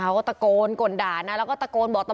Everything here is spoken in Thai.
จากนั้นไปจุดที่๒ก็คือบ้านของเด็กหญิงวัย๘ขวบที่เสียชีวิตนะคะ